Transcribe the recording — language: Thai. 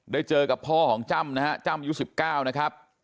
เจอกับพ่อของจ้ำนะฮะจ้ำยุค๑๙นะครับ